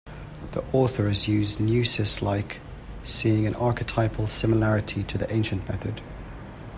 The authors use neusis-like, seeing an archetypal similarity to the ancient method.